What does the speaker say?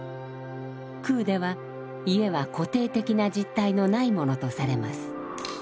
空では家は固定的な実体のないものとされます。